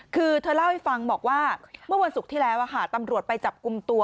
คือเธอเล่าให้ฟังบอกว่าเมื่อวันศุกร์ที่แล้วตำรวจไปจับกลุ่มตัว